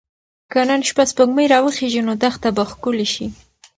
که نن شپه سپوږمۍ راوخیژي نو دښته به ښکلې شي.